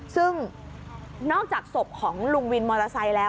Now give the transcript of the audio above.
ซึ่งนอกจากศพของลุงวินมอเตอร์ไซค์แล้ว